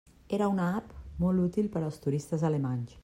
Era una app molt útil per als turistes alemanys.